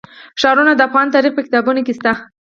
ښارونه د افغان تاریخ په کتابونو کې شته.